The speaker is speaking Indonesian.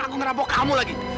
aku ngerampok kamu lagi